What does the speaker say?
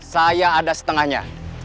saya ada setengahnya